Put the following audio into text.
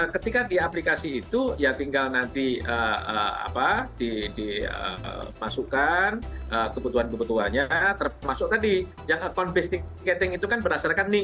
ketika di aplikasi itu ya tinggal nanti dimasukkan kebutuhan kebutuhannya termasuk tadi yang account based ticketing itu kan berdasarkan nik